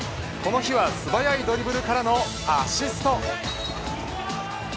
この日は素早いドリブルからのアシスト。